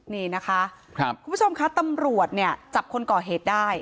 นี่นะคะคุณผู้ชมคะตำรวจเนี่ยจับคนก่อเหตุได้